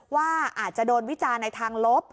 ว่าอาจจะโดนวิจารณ์ในทางลบ